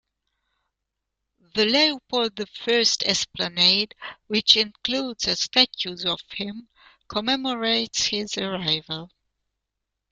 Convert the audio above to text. The Leopold the First Esplanade, which includes a statue of him, commemorates his arrival.